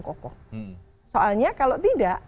kokoh soalnya kalau tidak